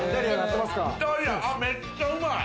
めっちゃうまい。